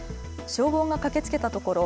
消防が駆けつけたところ